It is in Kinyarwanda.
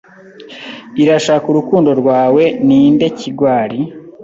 Irashaka urukundo rwawe ninde kigwari